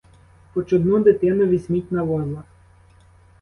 Хоч одну дитину візьміть на воза!